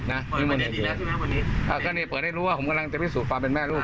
ในการแจ้งความเป็นแม่ลูก